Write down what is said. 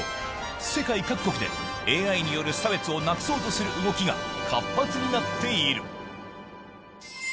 世界各国でＡＩによる差別をなくそうとする動きが活発になっている